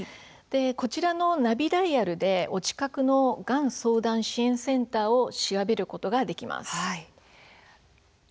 こちらのナビダイヤルでお近くのがん相談支援センターを調べることができます。